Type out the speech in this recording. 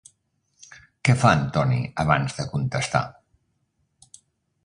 Què fa Antoni abans de contestar?